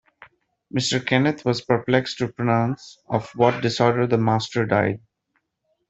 Mr. Kenneth was perplexed to pronounce of what disorder the master died.